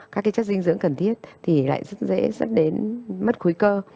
các cái chất dinh dưỡng cần thiết thì lại rất dễ rất đến mất khối cơ